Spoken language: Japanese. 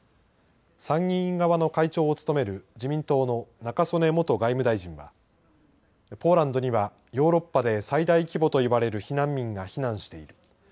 参議院側の会長を務める自民党の中曽根元外務大臣はポーランドにはヨーロッパで最大規模といわれる避難民が避難している。